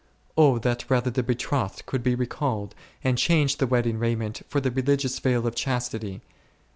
O that rather the betrothed could be recalled, and change the wedding raiment for the religious veil of chastity